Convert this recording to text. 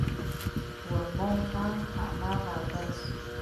او ما هم هغه ورځ